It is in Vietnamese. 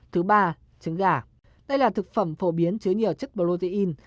thứ ba trứng gà đây là thực phẩm phổ biến chứa nhiều chất protein